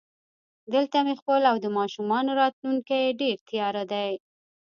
دلته مې خپل او د ماشومانو راتلونکی ډېر تیاره دی